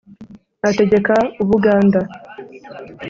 ategeka u buganda;